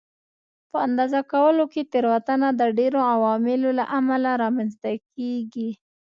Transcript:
په اندازه کولو کې تېروتنه د ډېرو عواملو له امله رامنځته کېږي.